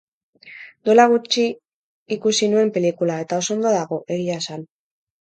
Duela gutxi ikusi nuen pelikula, eta oso ondo dago, egia esan.